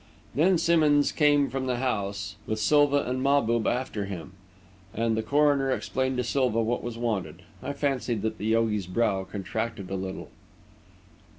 Then Simmonds came from the house, with Silva and Mahbub after him, and the coroner explained to Silva what was wanted. I fancied that the yogi's brow contracted a little.